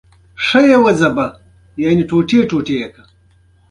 ننګرهار د افغانانو د معیشت سرچینه ده.